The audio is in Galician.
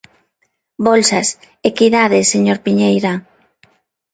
Bolsas: equidade, señor Piñeira.